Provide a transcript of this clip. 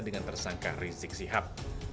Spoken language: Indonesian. dengan tersangka rizik sihab